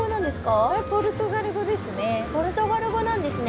ポルトガル語なんですね。